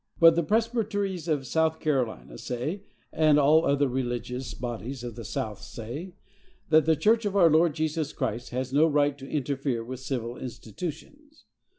But the Presbyteries of South Carolina say, and all the other religious bodies at the South say, that the church of our Lord Jesus Christ has no right to interfere with civil institutions.